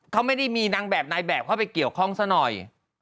เขาไม่ได้มีนางแบบนายแบบเข้าไปเกี่ยวข้องซะหน่อย